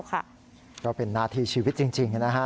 ก็เป็นหน้าที่ชีวิตจริงนะฮะ